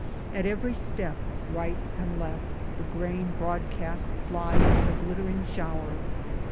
At every step, right and left, the grain broadcast flies in a glittering shower.